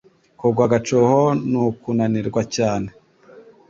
Kugwa agacuho n'ukunanirwa cyane.